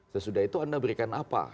sesudah itu anda berikan apa